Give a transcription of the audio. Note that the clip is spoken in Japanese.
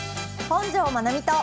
「本上まなみと」！